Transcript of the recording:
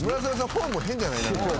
フォーム変じゃない？